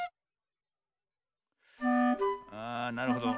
あなるほど。